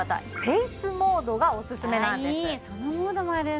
フェイスモードがおすすめなんですあいい